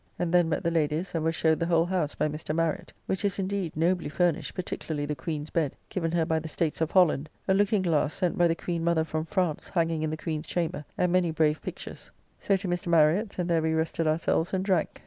And then met the ladies, and were showed the whole house by Mr. Marriott; which is indeed nobly furnished, particularly the Queen's bed, given her by the States of Holland; a looking glass sent by the Queen mother from France, hanging in the Queen's chamber, and many brave pictures. So to Mr. Marriott's, and there we rested ourselves and drank.